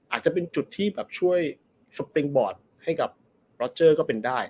อาจจะเป็นจุดที่แบบช่วยให้กับรอเจอร์ก็เป็นได้